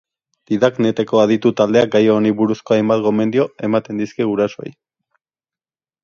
Didakneteko aditu taldeak gai honi buruzko hainbat gomendio ematen dizkie gurasoei.